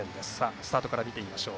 スタートから見てみましょう。